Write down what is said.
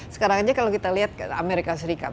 sekarang aja kalau kita lihat amerika serikat